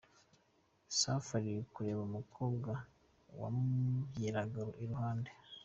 Safi ari kureba umukobwa wamubyiniraga iruhande!.